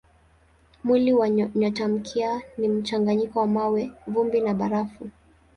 Mwili wa nyotamkia ni mchanganyiko wa mawe, vumbi na barafu.